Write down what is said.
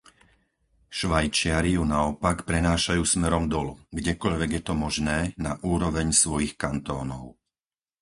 Švajčiari ju naopak prenášajú smerom dolu, kdekoľvek je to možné, na úroveň svojich kantónov.